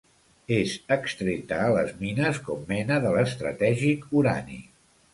És extreta a les mines com mena de l'estratègic urani.